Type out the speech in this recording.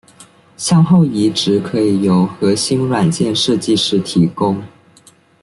向后移植可以由核心软件设计师提供。